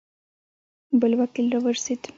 بل وکیل را ورسېد.